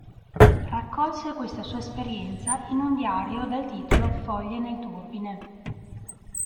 Raccolse questa sua esperienza in un diario dal titolo "Foglie nel turbine".